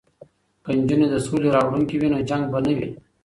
که نجونې د سولې راوړونکې وي نو جنګ به نه وي.